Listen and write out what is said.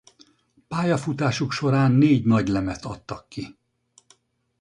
Pályafutásuk során négy nagylemezt adtak ki.